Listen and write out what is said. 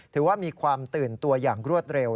ถือว่ามีความตื่นตัวอย่างรวดเร็ว